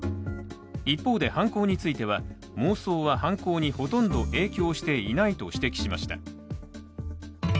一方で、犯行については妄想は犯行にほとんど影響していないと指摘しました。